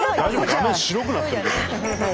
画面白くなってるけど。